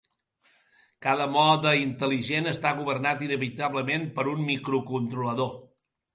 Cada mode intel·ligent està governat inevitablement per un microcontrolador.